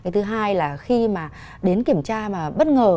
thứ hai là khi mà đến kiểm tra mà bất ngờ